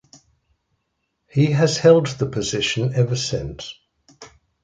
He has held the position ever since.